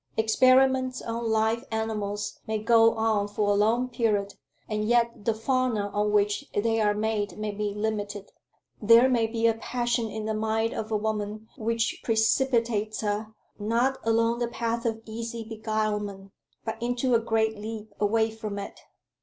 Experiments on live animals may go on for a long period, and yet the fauna on which they are made may be limited. There may be a passion in the mind of a woman which precipitates her, not along the path of easy beguilement, but into a great leap away from it.